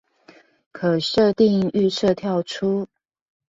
可設定預設跳出